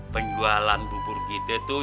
penjualan bubur kita tuh